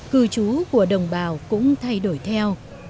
cư trú của đồng bào cũng thay đổi theo